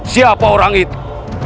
siapa orang itu